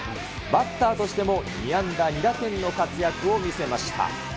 バッターとしても２安打２打点の活躍を見せました。